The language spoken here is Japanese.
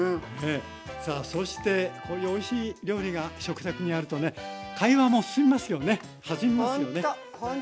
さあそしてこういうおいしい料理が食卓にあるとね会話もすすみますよね弾みますよね。